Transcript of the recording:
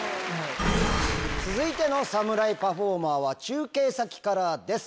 続いての侍パフォーマーは中継先からです。